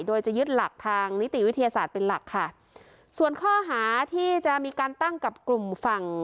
โดยจะยึดหลักทางนิติวิทยาศาสตร์เป็นหลักค่ะส่วนข้อหาที่จะมีการตั้งกับกลุ่มฝั่ง